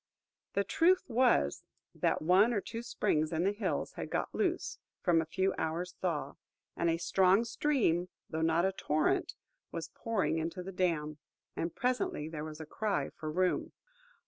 The truth was, that one or two springs in the hills had got loose from a few hours' thaw; and a strong stream, though not a torrent, was pouring into the dam. And presently there was a cry for room.